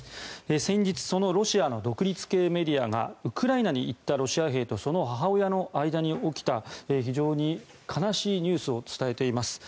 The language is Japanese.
先日そのロシアの独立系メディアがウクライナに行ったロシア兵とその母親の間に起きた非常に悲しいニュースを伝えています。